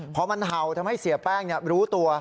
พอมันเห่าทำให้เสียแป้งรู้ตัว